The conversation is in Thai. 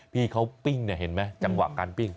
พี่เขาปิ้งเนี่ยเห็นไหมจังหวะการปิ้ง